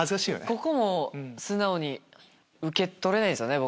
ここも素直に受け取れないんすよね。